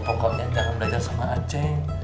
pokoknya jangan belajar sama a ceng